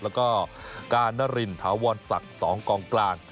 แล้วก็กานารินถาวรศักดิ์๒กองกลาง